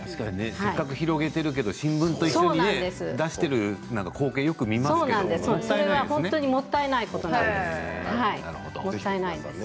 せっかく広げているのに新聞と一緒に出している光景見ますけれどももったいないんですね。